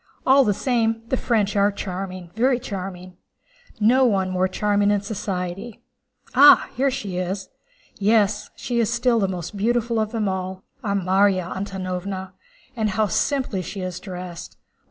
All the same, the French are charming, very charming. No one more charming in society. Ah, here she is! Yes, she is still the most beautiful of them all, our Márya Antónovna! And how simply she is dressed!